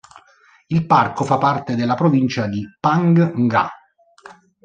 Il parco fa parte della provincia di Phang Nga.